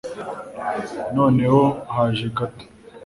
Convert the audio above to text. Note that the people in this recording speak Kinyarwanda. noneho haje gato